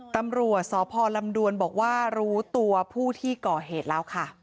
ตำรวจสพลำดวนบอกว่ารู้ตัวผู้ที่ก่อเหตุแล้วค่ะ